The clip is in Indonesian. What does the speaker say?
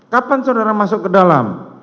kapan saudara masuk ke dalam